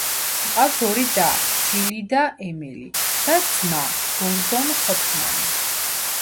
ჰყავს ორი და, ჯილი და ემილი, და ძმა, გორდონ ჰოფმანი.